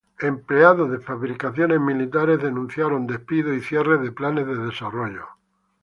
Empleados de Fabricaciones Militares denunciaron despidos y cierre de planes de desarrollo.